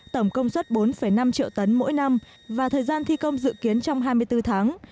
tổng công suất bốn năm triệu tấn mỗi năm và thời gian thi công dự kiến trong hai mươi bốn tháng